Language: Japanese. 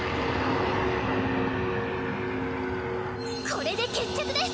これで決着です！